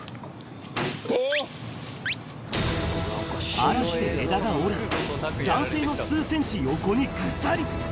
嵐で枝が折れ、男性の数センチ横にぐさり。